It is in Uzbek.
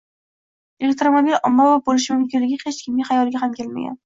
elektromobil ommabop bo‘lishi mumkinligi hech kimning xayoliga ham kelmagan